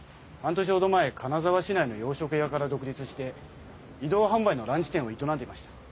半年ほど前金沢市内の洋食屋から独立して移動販売のランチ店を営んでいました。